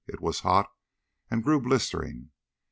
It was hot, and grew blistering.